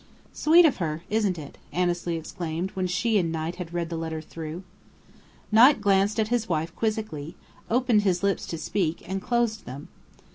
"Sweet of her, isn't it?" Annesley exclaimed when she and Knight had read the letter through. Knight glanced at his wife quizzically, opened his lips to speak, and closed them.